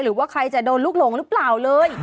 หรือว่าใครจะโดนลูกหลงหรือเปล่าเลย